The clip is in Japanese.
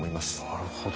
なるほど。